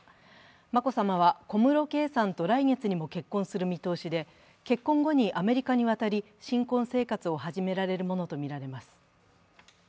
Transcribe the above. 眞子さまは小室圭さんと来月にも結婚する見通しで、結婚後にアメリカに渡り、新婚生活を始められるものとみられます。